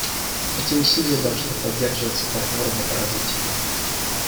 Эти усилия должны поддерживаться партнерами по развитию.